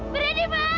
beri di mana